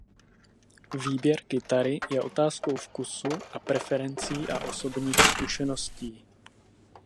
Výběr kytary je otázkou vkusu a preferencí a osobních zkušeností.